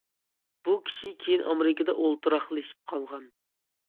بۇ كىشى كېيىن ئامېرىكىدا ئولتۇراقلىشىپ قالغان.